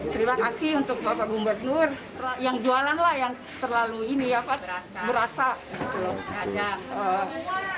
terima kasih untuk bapak bumbat nur yang jualan yang terlalu ini ya pak